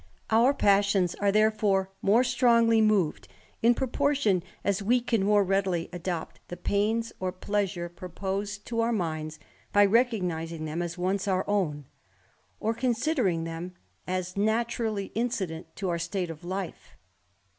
Our passions are therefore more strongly moved, in proportion as we can more readily adopt the pains or pleasure proposed to our minds, by recognising them as once our own, or considering them as naturally incident to our state of life.